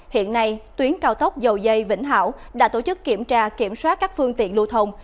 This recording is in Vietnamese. hiện nay tuyến cao tốc dầu dây vĩnh hảo đã tổ chức kiểm tra kiểm soát các phương tiện lưu thông